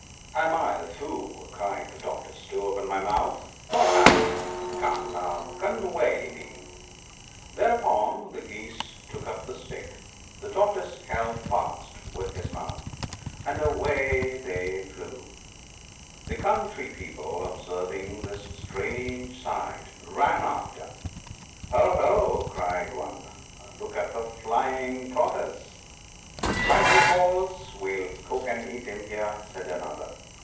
" Am I a fool," cried the Tortoise, " to open my mouth ? Not I ! Come now, convey me !" i Thereupon the Geese took up the stick ; the Tortoise held fast with his mouth, and away they flew. The country people, observing this strange sight, ran after. " Ho ! ho !" cried one, "look at the flying Tortoise !" "When he falls we'll cook and eat him here," said another.